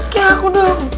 kayak aku dong